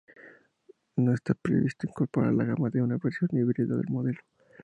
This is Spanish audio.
No está previsto incorporar a la gama una versión híbrida del modelo.